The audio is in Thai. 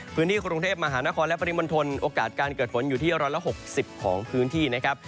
พื้นที่กรุงเทพมหานครและปริมณฑลโอกาสการเกิดฝนอยู่ที่๑๖๐ของพื้นที่นะครับ